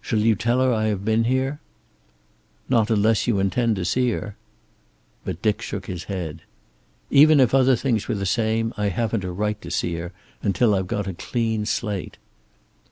"Shall you tell her I have been here?" "Not unless you intend to see her." But Dick shook his head. "Even if other things were the same I haven't a right to see her, until I've got a clean slate."